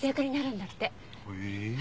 へえ。